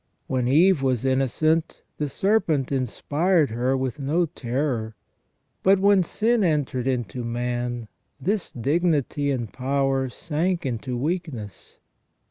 When Eve was innocent, the serpent inspired her with no terror ; but when sin entered into man this dignity and power sank into weakness.